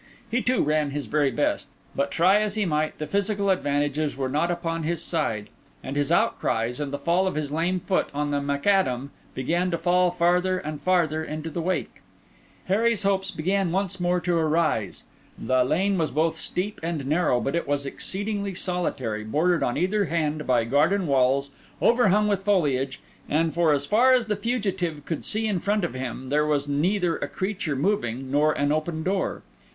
He, too, ran his very best; but, try as he might, the physical advantages were not upon his side, and his outcries and the fall of his lame foot on the macadam began to fall farther and farther into the wake. Harry's hopes began once more to arise. The lane was both steep and narrow, but it was exceedingly solitary, bordered on either hand by garden walls, overhung with foliage; and, for as far as the fugitive could see in front of him, there was neither a creature moving nor an open door.